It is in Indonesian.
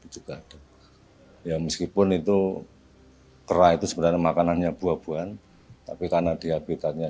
juga ada ya meskipun itu kerah itu sebenarnya makanannya buah buahan tapi karena di habitatnya